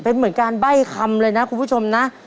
เป็นเหมือนการใบ้คำเลยนะคุณผู้ชมนะ